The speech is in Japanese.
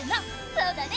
そうだね！